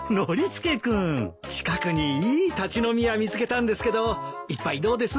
近くにいい立ち飲み屋見つけたんですけど一杯どうです？